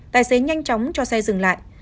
tài xế nhanh chóng cho xe dừng lại